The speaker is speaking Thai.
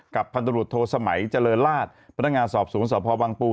กับพันธุรสโธสมัยเจริญราชพันธงาสอบศูนย์สอบภวังปู